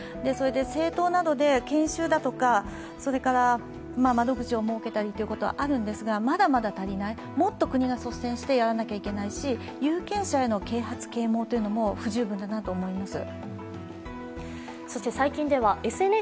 政党などで研修だとか、窓口を設けたりということはあるんですがまだまだ足りない、もっと国が率先してやらなきゃいけないし有権者への啓発・啓蒙も不十分だなと思います。